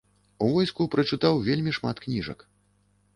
У войску прачытаў вельмі шмат кніжак.